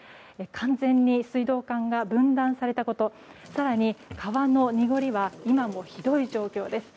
完全に水道管が分断されたこと更に、川の濁りは今もひどい状況です。